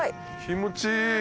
気持ちいい。